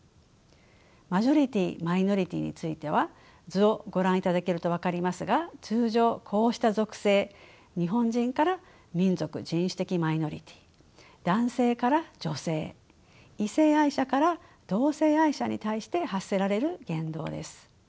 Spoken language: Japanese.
マジョリティーマイノリティーについては図をご覧いただけると分かりますが通常こうした属性日本人から民族人種的マイノリティー男性から女性異性愛者から同性愛者に対して発せられる言動です。